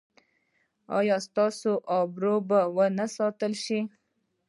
ایا ستاسو ابرو به و نه ساتل شي؟